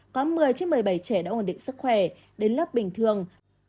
có một mươi trên một mươi bảy trẻ đã ổn định sức khỏe đến lớp bình thường